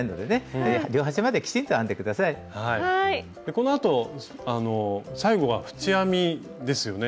このあと最後は縁編みですよね。